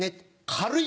軽い！